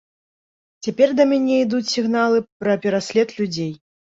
Цяпер да мяне ідуць сігналы пра пераслед людзей.